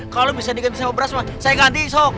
kalau bisa diganti sama beras saya ganti sok